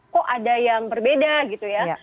kok ada yang berbeda gitu ya